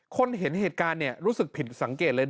คนเห็นเหตุการณ์รู้สึกผิดสังเกตเลย